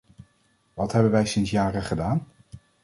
Wat hebben wij sinds jaren gedaan?